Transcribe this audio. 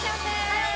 はい！